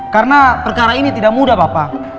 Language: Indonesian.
karena perkara ini tidak mudah bapak